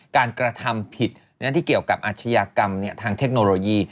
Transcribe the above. กระทำผิดที่เกี่ยวกับอาชญากรรมทางเทคโนโลยี